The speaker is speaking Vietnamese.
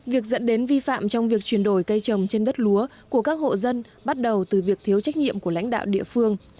việc dẫn đến vi phạm trong việc chuyển đổi cây trồng trên đất lúa của các hộ dân bắt đầu từ việc thiếu trách nhiệm của lãnh đạo địa phương